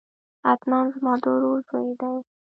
عدنان زما د ورور زوی دی